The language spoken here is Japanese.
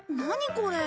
これ。